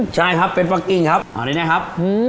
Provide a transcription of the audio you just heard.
ใช่ครับเป็ดปั๊กกิ้งครับอันนี้นะครับ